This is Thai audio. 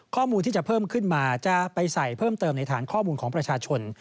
ข้อมูลที่จะเพิ่มขึ้นมาจะไปใส่เพิ่มเติมในฐานข้อมูลของประชาชน